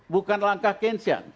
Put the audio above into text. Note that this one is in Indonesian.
bukan langkah keynesian